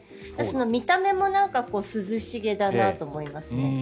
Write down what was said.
見た目も涼しげだなと思います。